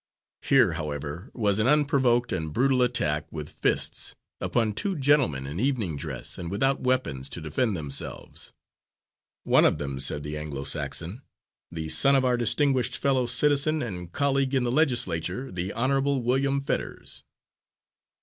Here, however, was an unprovoked and brutal attack with fists, upon two gentlemen in evening dress and without weapons to defend themselves, "one of them," said the Anglo Saxon, "the son of our distinguished fellow citizen and colleague in the legislature, the Honourable William Fetters."